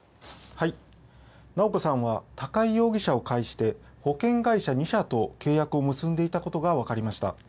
はい、直子さんは高井容疑者を介して保険会社２社と契約を結んでいたことが分かりました。